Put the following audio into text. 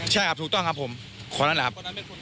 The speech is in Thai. ใช่ครับถูกต้องครับผมคนนั้นแหละครับ